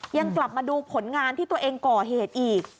ยังกลับมาดูผลงานที่ตัวเองก่อเหตุอีก